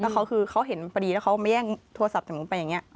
แล้วเขาคือเขาเห็นพอดีแล้วเขามาแย่งโทรศัพท์จากหนูไปอย่างนี้